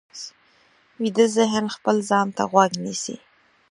ویده ذهن خپل ځان ته غوږ نیسي